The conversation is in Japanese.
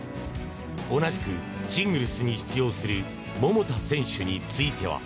同じくシングルスに出場する桃田選手については。